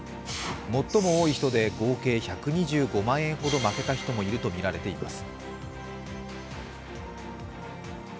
最も多い人で合計１２５万円ほど負けた人もいるとみられています。